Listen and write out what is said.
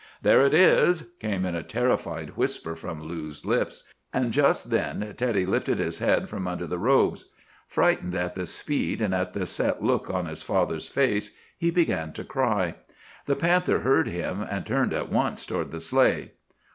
"'There it is!' came in a terrified whisper from Lou's lips; and just then Teddy lifted his head from under the robes. Frightened at the speed, and at the set look on his father's face, he began to cry. The panther heard him and turned at once toward the sleigh.